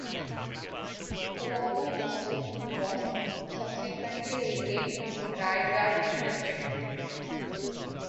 Kolaba district was subsequently renamed Raigad district.